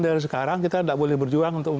dari sekarang kita tidak boleh berjuang untuk